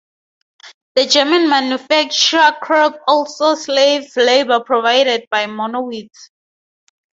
The German manufacturer Krupp also used slave labour provided by Monowitz.